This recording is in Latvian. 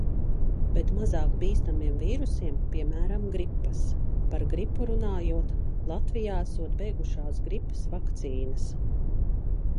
Bet mazāk bīstamiem vīrusiem, piemēram, gripas. Par gripu runājot, Latvijā esot beigušās gripas vakcīnas.